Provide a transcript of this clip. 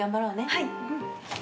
はい。